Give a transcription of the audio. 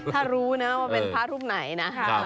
ถ้ารู้ว่าเป็นพระรอบไหนนะฮะ